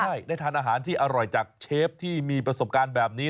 ใช่ได้ทานอาหารที่อร่อยจากเชฟที่มีประสบการณ์แบบนี้